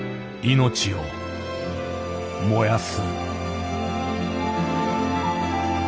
命を燃やす。